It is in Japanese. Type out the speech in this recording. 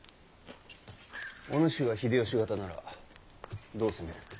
お主が秀吉方ならどう攻める？